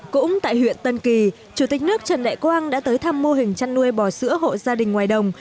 cũng tại huyện tân kỳ chủ tịch nước trần đại quang đã tới thăm mô hình chăn nuôi bò sữa hộ gia đình ngoài đồng